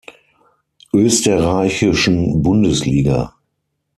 Österreichischen Bundesliga.